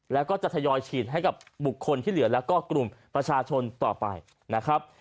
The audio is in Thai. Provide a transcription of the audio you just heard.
แล้วก็จะทยอยฉีดให้กับบุคคลที่เหลือแล้วก็กลุ่มประชาชนต่อไปนะครับ